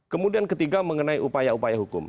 kemudian ketiga mengenai upaya upaya hukum